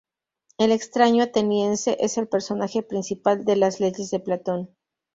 El "Extraño Ateniense" es el personaje principal de "Las Leyes" de Platón.